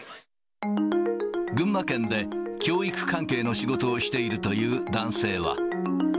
群馬県で教育関係の仕事をしているという男性は。